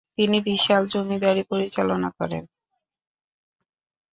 তিনি বিশাল জমিদারী পরিচালনা করেন।